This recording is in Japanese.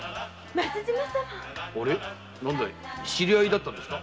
知り合いだったんですか？